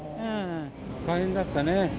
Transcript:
大変だったね。